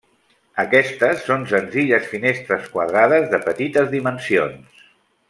Aquestes són senzilles finestres quadrades de petites dimensions.